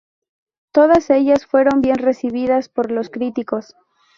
Todas ellas fueron bien recibidas por los críticos.